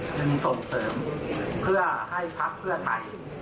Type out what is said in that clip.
จึงส่งเสริมเพื่อให้พักเพื่อไทย